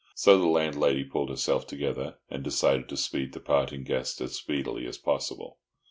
So the landlady pulled herself together, and decided to speed the parting guest as speedily as possible.